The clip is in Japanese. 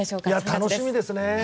楽しみですね。